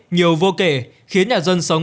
nhiều vô kể khiến nhà dân sống